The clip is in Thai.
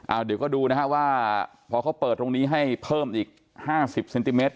เดี๋ยวก็ดูนะฮะว่าพอเขาเปิดตรงนี้ให้เพิ่มอีกห้าสิบเซนติเมตร